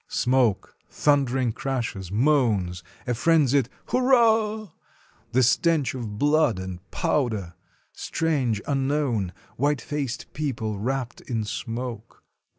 Smoke, thundering crashes, moans, a frenzied "Hur rah!" ... the stench of blood and powder ... Strange, unknown, white faced people wrapped in smoke